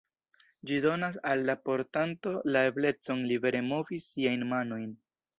Ĝi donas al la portanto la eblecon libere movi siajn manojn.